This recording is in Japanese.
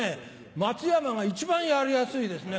松山が一番やりやすいですね